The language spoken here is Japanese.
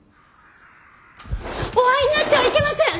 お会いになってはいけません！